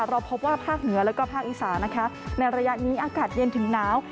เราพบว่าภาคเหนือแล้วก็ภาคอีสานนะคะในระยะนี้อากาศเย็นถึงหนาว